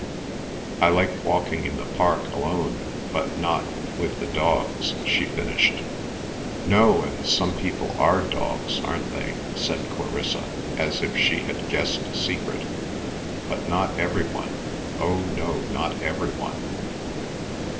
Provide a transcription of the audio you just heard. "I like walking in the Park alone; but not—with the dogs," she finished. "No; and some people are dogs; aren't they?" said Clarissa, as if she had guessed a secret. "But not every one—oh no, not every one."